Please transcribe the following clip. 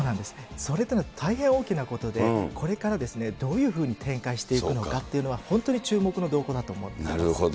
それっていうのは大変大きなことで、これからどういうふうに展開していくのかっていうのは、本当に注なるほど。